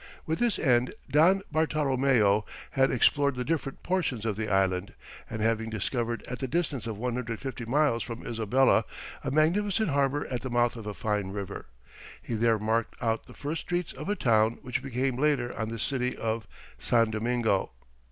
With this end Don Bartolomeo had explored the different portions of the island, and having discovered at the distance of 150 miles from Isabella a magnificent harbour at the mouth of a fine river, he there marked out the first streets of a town which became later on the city of San Domingo.